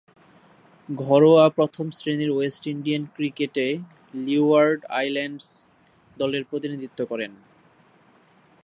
ঘরোয়া প্রথম-শ্রেণীর West Indian ক্রিকেটে লিওয়ার্ড আইল্যান্ডস দলের প্রতিনিধিত্ব করেন।